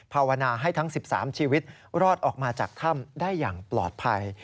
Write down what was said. ภาวนาให้ทั้ง๑๓ชีวิตรอดออกมาจากถ้ำได้อย่างปลอดภัย